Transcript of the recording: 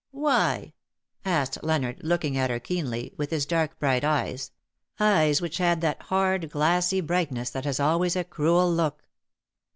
" Why ?" asked Leonard, looking at her keenly, with his dark, bright eyes ; eyes which had that hard, glassy brightness that has always a cruel look.